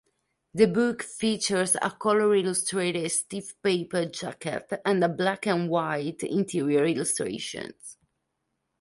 The book features a color-illustrated stiff paper jacket and black-and-white interior illustrations.